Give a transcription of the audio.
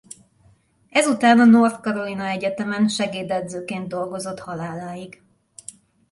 Ezután a North Carolina Egyetemen segédedzőként dolgozott haláláig.